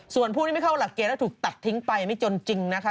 ส่วนผู้ที่ไม่เข้าหลักเกณฑ์แล้วถูกตัดทิ้งไปไม่จนจริงนะคะ